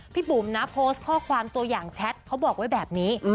บุ๋มนะโพสต์ข้อความตัวอย่างแชทเขาบอกไว้แบบนี้